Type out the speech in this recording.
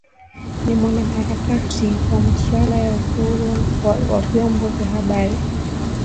ni mwanaharakati wa masuala ya uhuru wa vyombo vya habari